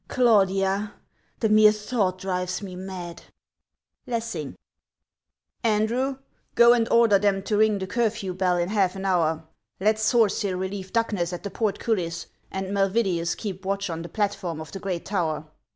Claudia ! The mere thought drives me mad. — LESSING. ANDREW, go and order them to ring the curfew bell in half an hour. Let .Sorsyll relieve Duckness at the portcullis, and Malvidius keep watch on the platform of the great tower.